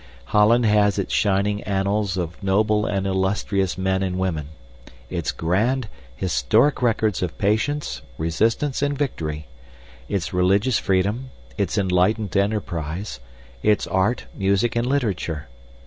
Holland has its shining annals of noble and illustrious men and women; its grand, historic records of patience, resistance, and victory; its religious freedom; its enlightened enterprise; its art, music, and literature.